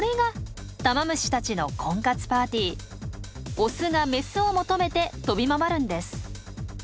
オスがメスを求めて飛び回るんです。